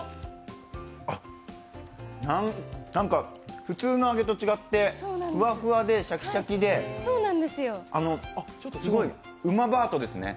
あっ、普通のあげと違ってフワフワでシャキシャキで、すごい、うまバートですね。